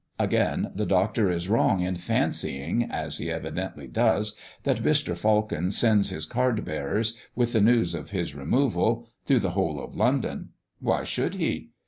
Again the Doctor is wrong in fancying, as he evidently does, that Mr. Falcon sends his card bearers, with the news of his removal, through the whole of London. Why should he?